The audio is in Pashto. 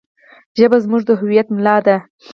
ژبه زموږ د هویت ملا ده.